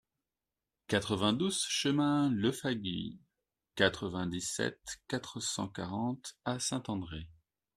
quatre-vingt-douze chemin Lefaguyes, quatre-vingt-dix-sept, quatre cent quarante à Saint-André